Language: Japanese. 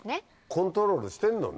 コントロールしてんのね。